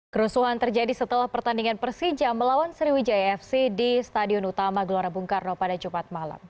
kerusuhan terjadi setelah pertandingan persija melawan sriwijaya fc di stadion utama gelora bung karno pada jumat malam